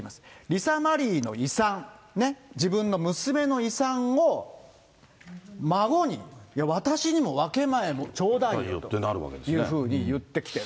リサ・マリーの遺産、自分の娘の遺産を、孫に、私にも分け前頂戴よというふうに言ってきてる。